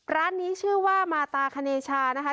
ร้านนี้ชื่อว่ามาตาคเนชานะคะ